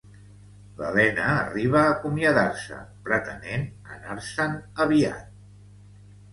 L'Helena arriba a acomiadar-se, pretenent anar-se'n aviat.